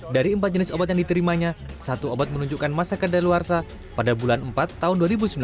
dari empat jenis obat yang diterimanya satu obat menunjukkan masa kedaluarsa pada bulan empat tahun dua ribu sembilan belas